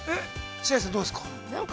◆白石さん、どうですか？